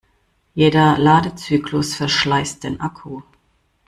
Jeder Ladezyklus verschleißt den Akku.